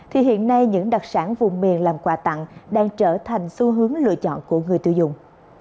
thì hiện nay những đặc sản vùng miền làm quà tặng đang trở thành xu hướng lựa chọn của người tiêu dùng